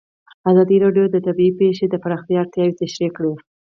ازادي راډیو د طبیعي پېښې د پراختیا اړتیاوې تشریح کړي.